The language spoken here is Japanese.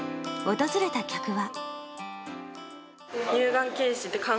訪れた客は。